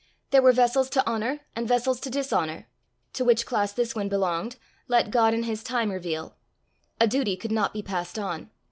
There were vessels to honour and vessels to dishonour: to which class this one belonged, let God in his time reveal. A duty could not be passed on.